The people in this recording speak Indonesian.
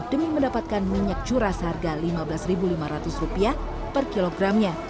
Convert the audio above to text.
demi mendapatkan minyak curah seharga rp lima belas lima ratus per kilogramnya